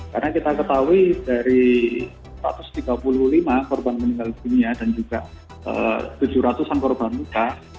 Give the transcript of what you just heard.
karena kita ketahui dari satu ratus tiga puluh lima korban meninggal di dunia dan juga tujuh ratus an korban muka